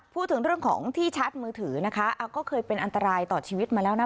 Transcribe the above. พูดถึงเรื่องของที่ชาร์จมือถือนะคะก็เคยเป็นอันตรายต่อชีวิตมาแล้วนะ